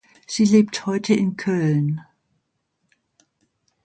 Sie lebt heute in Köln.